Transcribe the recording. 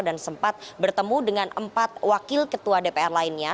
dan sempat bertemu dengan empat wakil ketua dpr lainnya